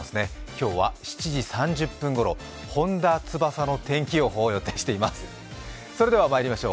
今日は７時３０分ごろ、本田翼の天気予報を予定しています。